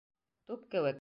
Туп кеүек.